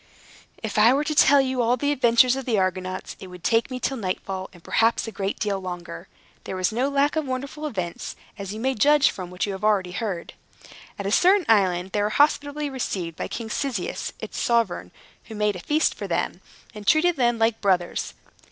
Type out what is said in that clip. If I were to tell you all the adventures of the Argonauts, it would take me till nightfall, and perhaps a great deal longer. There was no lack of wonderful events, as you may judge from what you have already heard. At a certain island, they were hospitably received by King Cyzicus, its sovereign, who made a feast for them, and treated them like brothers.